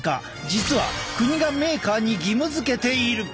実は国がメーカーに義務づけている！